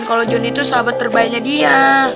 kalo johnny tuh sahabat terbaiknya dia